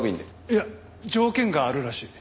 いや条件があるらしい。